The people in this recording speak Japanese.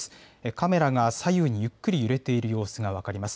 カメラが左右にゆっくり揺れている様子が分かります。